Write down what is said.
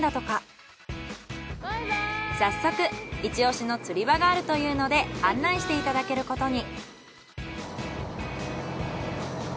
早速一押しの釣り場があるというので案内していただけることに。